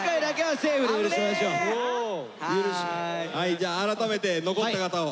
じゃあ改めて残った方を。